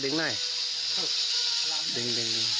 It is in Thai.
ดึง